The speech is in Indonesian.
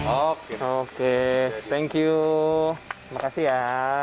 oke oke thank you terima kasih ya